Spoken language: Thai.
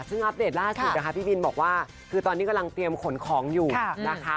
ซึ่งอัปเดตล่าสุดนะคะพี่บินบอกว่าคือตอนนี้กำลังเตรียมขนของอยู่นะคะ